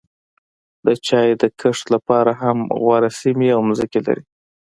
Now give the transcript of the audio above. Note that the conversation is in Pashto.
د چای د کښت لپاره هم غوره سیمې او ځمکې لري.